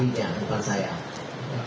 itu untuk penjualan